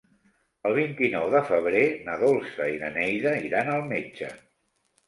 El vint-i-nou de febrer na Dolça i na Neida iran al metge.